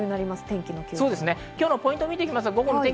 今日のポイントを見ていきます。